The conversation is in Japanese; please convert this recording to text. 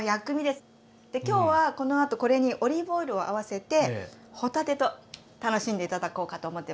で今日はこのあとこれにオリーブオイルを合わせて帆立てと楽しんで頂こうかと思ってます